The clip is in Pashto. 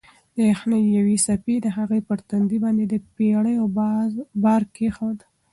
د یخنۍ یوې څپې د هغې پر تندي باندې د پېړیو بار کېښود.